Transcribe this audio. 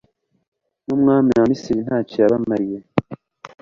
numwami wa misiri ntacyo yabamariye